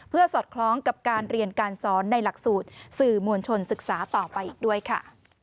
สอดคล้องกับการเรียนการสอนในหลักสูตรสื่อมวลชนศึกษาต่อไปอีกด้วยค่ะ